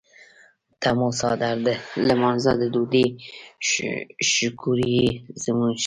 ته مو څادر د لمانځۀ د ډوډۍ شکور یې زموږ.